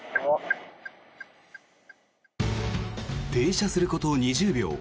停車すること２０秒。